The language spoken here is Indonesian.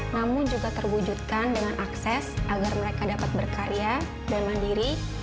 namun juga terwujudkan dengan akses agar mereka dapat berkarya dan mandiri